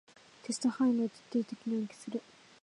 テスト範囲まで徹底的に暗記する